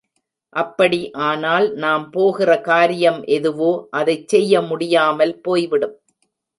அப்படி ஆனால் நாம் போகிற காரியம் எதுவோ அதைச் செய்ய முடியாமல் போய்விடும்.